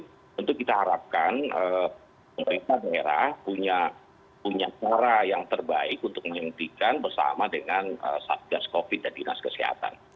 tentu kita harapkan mereka merah punya cara yang terbaik untuk menyembunyikan bersama dengan subjans covid dan dinas kesehatan